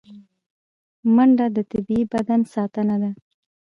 منډه د طبیعي بدن ساتنه ده